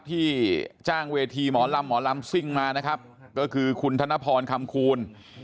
ที่จ้างเวทีหมอลำหมอลำซิ่งมานะครับก็คือคุณธนพรคำคูณ